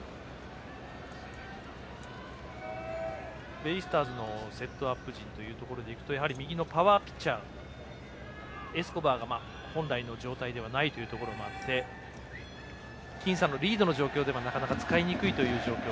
ベイスターズのセットアップ陣というところでいくとやはり右のパワーピッチャーエスコバーが本来の状態ではないというところがあって僅差のピンチの状態ではなかなか使いにくいという状況。